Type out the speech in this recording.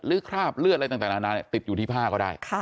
คราบเลือดอะไรต่างนานาติดอยู่ที่ผ้าก็ได้